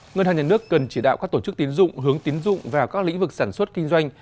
ngân hàng nhà nước cần chỉ đạo các tổ chức tiến dụng hướng tín dụng vào các lĩnh vực sản xuất kinh doanh